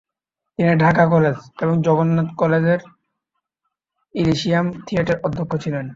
তিনি ঢাকা কলেজ এবং জগন্নাথ কলেজেরইলিশিয়াম থিয়েটার অধ্যক্ষ ছিলেন।